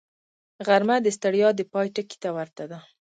غرمه د ستړیا د پای ټکي ته ورته ده